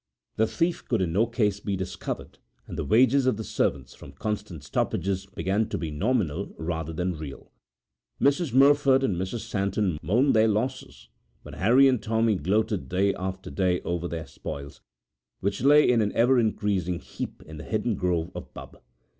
The thief could in no case be discovered, and the wages of the servants, from constant stoppages, began to be nominal rather than real. Mrs Merford and Mrs Santon mourned their losses, but Harry and Tommy gloated day after day over their spoils, which lay in an ever increasing heap in the hidden grove of Bubb.